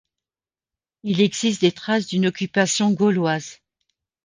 Il existe des traces d'une occupation gauloise.